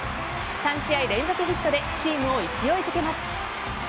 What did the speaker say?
３試合連続ヒットでチームを勢いづけます。